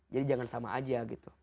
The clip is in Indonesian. jadi jangan sama aja gitu